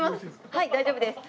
はい大丈夫です。